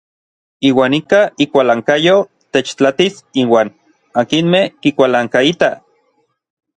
Iuan ika ikualankayo techtlatis inuan n akinmej kikualankaitaj.